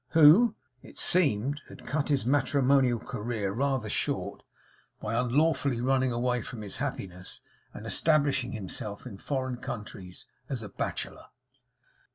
Who, it seemed, had cut his matrimonial career rather short, by unlawfully running away from his happiness, and establishing himself in foreign countries as a bachelor.